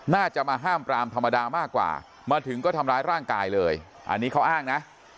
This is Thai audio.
น่าจะมาห้ามปรามธรรมดามากกว่ามาถึงก็ทำร้ายร่างกายเลยอันนี้เขาอ้างนะ